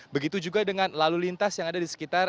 begitu juga dengan lalu lintas yang ada di sekitar